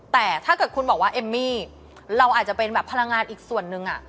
แต่ถ้าเกิดคุณบอกว่าเอมมี่เราอาจจะเป็นแบบพลังงานอีกส่วนหนึ่ง